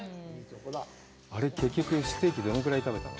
あれ、結局ステーキどのぐらい食べたの？